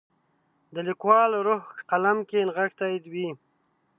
د لیکوال روح قلم کې نغښتی وي.